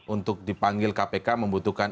untuk dipanggil kpk membutuhkan